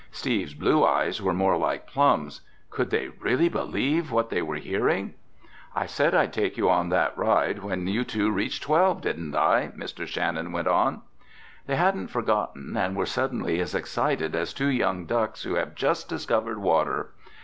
Steve's blue eyes were more like plums. Could they really believe what they were hearing? "I said I'd take you on the ride when you two reached 12, didn't I?" Mr. Shannon went on. They hadn't forgotten and were suddenly as excited as two young ducks who have just discovered water.